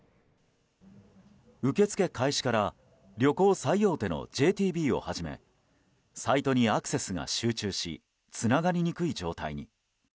受け付け開始から旅行最大手のＪＴＢをはじめサイトにアクセスが集中しつながりにくい状態に。